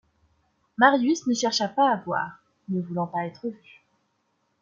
Marius ne chercha pas à voir, ne voulant pas être vu.